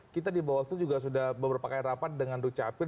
kita di bawah itu juga sudah beberapa keraatan dengan ru capil